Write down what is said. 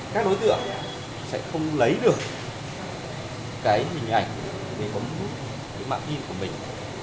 các đối tượng sẽ không lấy được cái hình ảnh để bấm cái mạng phim của mình